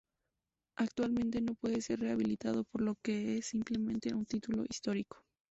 Actualmente no puede ser rehabilitado por lo que es simplemente un título histórico.